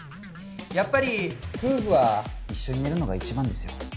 やっぱり夫婦は一緒に寝るのが一番ですよ。